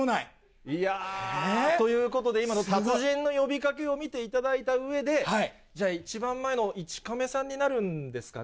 ということで、今の達人の呼びかけを見ていただいたうえで、じゃあ、一番前の１カメさんになるんですかね？